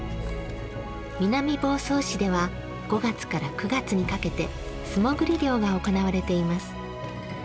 南房総市では５月から９月にかけて素潜り漁が行われています。